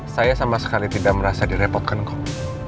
saya sama sekali tidak merasa direpotkan kok